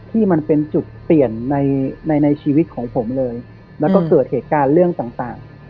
ที่มันเป็นจุดเปลี่ยนในในชีวิตของผมเลยแล้วก็เกิดเหตุการณ์เรื่องต่าง